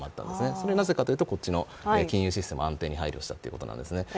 それがなぜかというと、金融システムの安定に配慮したということですね。